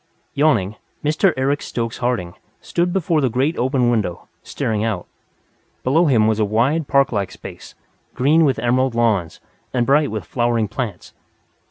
Yawning, Mr. Eric Stokes Harding stood before the great open window, staring out. Below him was a wide, park like space, green with emerald lawns, and bright with flowering plants.